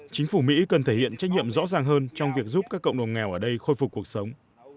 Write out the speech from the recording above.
chính phủ mỹ cần thể hiện trách nhiệm rõ ràng hơn trong việc giúp các cộng đồng nghèo ở đây khôi phục cuộc sống